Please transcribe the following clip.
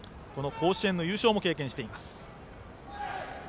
甲子園の優勝も経験しています。